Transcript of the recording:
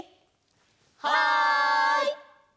はい！